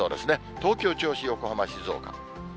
東京、銚子、横浜、静岡。